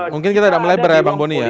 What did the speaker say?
mungkin kita tidak melebar ya bang boni ya